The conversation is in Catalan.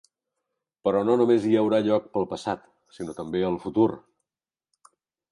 Però no només hi haurà lloc pel passat, sinó també el futur.